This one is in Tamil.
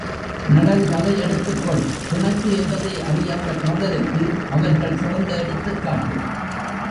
நளன் கதை எடுத்துக் கொள் பிணக்கு என்பதே அறியாத காதலுக்கு அவர்கள் சிறந்த எடுத்துக் காட்டு.